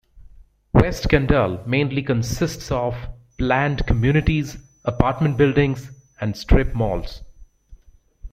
West Kendall mainly consists of planned communities, apartment buildings, and strip malls.